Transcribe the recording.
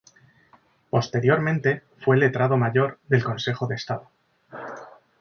Posteriormente fue Letrado Mayor del Consejo de Estado.